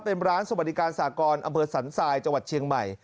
เป็นร้านสวัสดิการสากรอำเภอสันทรายจังหวัดเชียงใหม่